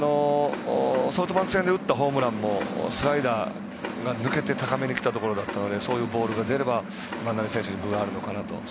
ソフトバンク戦で打ったホームランもスライダーが抜けて高めに来たところだったのでそういうボールが出れば万波選手に分があるのかなと。